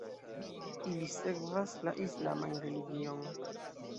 Ili sekvas la islaman religion.